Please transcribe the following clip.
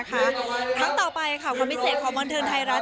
ครั้งต่อไปค่ะความพิเศษของบันเทิงไทยรัฐ